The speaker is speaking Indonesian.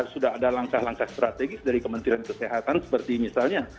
sudah ada langkah langkah strategis dari kementerian kesehatan seperti misalnya